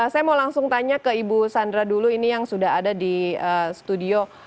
saya mau langsung tanya ke ibu sandra dulu ini yang sudah ada di studio